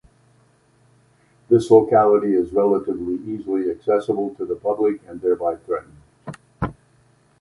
This locality is relatively easily accessible to the public and thereby threatened.